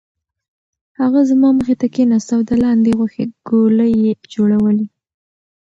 هغه زما مخې ته کېناست او د لاندي غوښې ګولې یې جوړولې.